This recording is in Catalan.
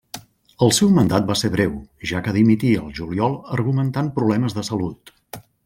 El seu mandat va ser breu, ja que dimití al juliol argumentant problemes de salut.